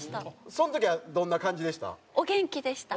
その時はどんな感じでした？